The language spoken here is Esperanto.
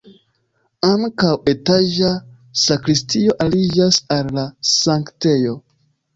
Ankaŭ etaĝa sakristio aliĝas al la sanktejo.